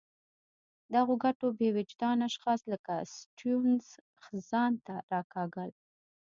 دغو ګټو بې وجدان اشخاص لکه سټیونز ځان ته راکاږل.